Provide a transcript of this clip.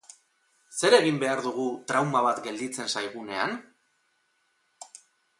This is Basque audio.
Zer egin behar dugu trauma bat gelditzen zaigunean?